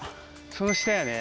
その下やね。